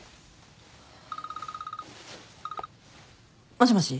もしもし。